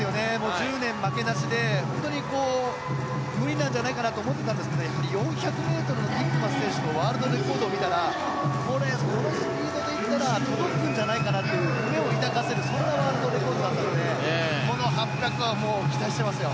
１０年負けなしで無理なんじゃないかなと思っていたんですがやはり４００ｍのティットマス選手のワールドレコードを見たらこれ、このスピードで行ったら届くんじゃないかなと夢を抱かせるそんなワールドレコードだったのでこの８００ｍは期待してますよ。